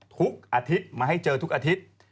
ทุกอาทิตย์มาให้เจอทุกอาทิตย์